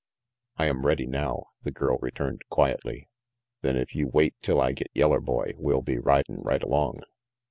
"I am ready now," the girl returned quietly. "Then if you wait till I get Yeller Boy, we'll be ridin' right along."